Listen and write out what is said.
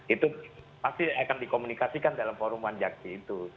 itu pasti akan dikomunikasikan dalam forum wanjakti itu